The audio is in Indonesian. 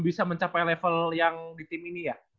bisa mencapai level yang di tim ini ya